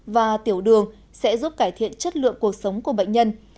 và tiểu đường sẽ giúp cải thiện chất lượng cuộc sống của bệnh nhân